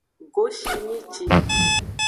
Goshimici.